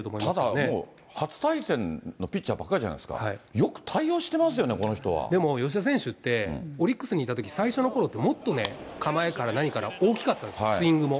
ただもう、初対戦のピッチャーばっかりじゃないですか、よくでも、吉田選手って、オリックスにいたとき、最初のころってもっとね、構えから何から大きかったんですよ、スイングも。